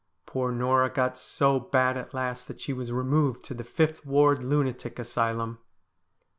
Poor Norah got so bad at last that she was removed to the Fifth Ward Lunatic Asylum.'